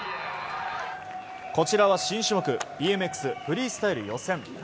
こちらは新種目ＢＭＸフリースタイル予選。